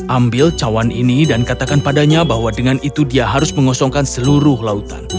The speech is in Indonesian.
ambil cawan ini dan katakan padanya bahwa dengan itu dia harus mengosongkan seluruh lautan